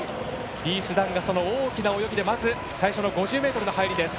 リース・ダンが大きな泳ぎでまず、最初の５０ｍの入りです。